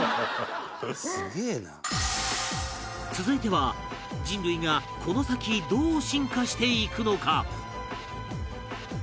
続いては人類がこの先どう進化していくのか？